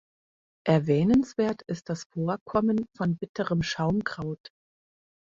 Erwähnenswert ist das Vorkommen von Bitterem Schaumkraut.